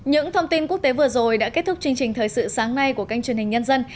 những thông tin quốc tế vừa rồi đã kết thúc chương trình thời sự sáng nay của kênh truyền hình nhân dân